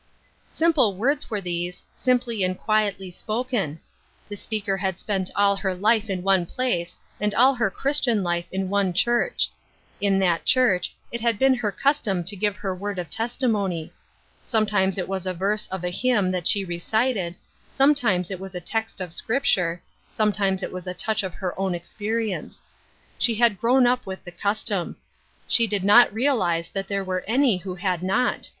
Simple words were these, simply and quietly spoken. The speaker had spent all her life in one place and all her Christian life in one church. In that church it had been her custom to give her word of testimony. Sometimes it was a verse of a hymn that she recited, some times it was a text of Scripture, sometimes it was a touch of her own experience. She had grown up with the custom. She did not realize that there were any who had not.